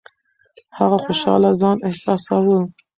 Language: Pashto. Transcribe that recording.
هغه خوشاله ځان احساساوه.